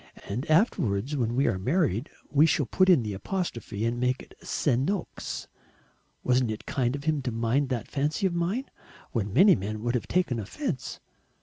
And afterwards, when we are married, we shall put in the apostrophe and make it Se'noks. Wasn't it kind of him to mind that fancy of mine, when many men would have taken offence?